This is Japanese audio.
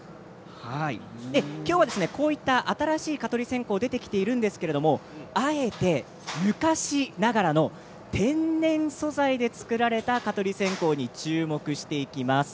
こういった、新しい蚊取り線香が出てきているんですが今日はあえて昔ながらの天然素材で作られた蚊取り線香に注目していきます。